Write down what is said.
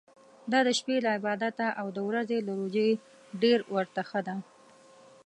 دا د شپې له عبادته او د ورځي له روژې ډېر ورته ښه ده.